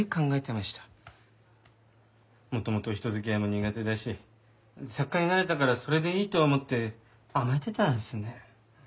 元々人付き合いも苦手だし作家になれたからそれでいいと思って甘えてたんですね。